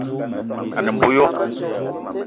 A ne mbo yo